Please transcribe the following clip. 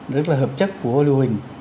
rất là hợp chất của lưu hình